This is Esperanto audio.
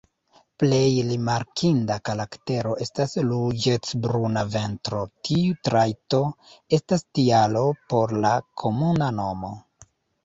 Plej rimarkinda karaktero estas ruĝecbruna ventro, tiu trajto estas tialo por la komuna nomo.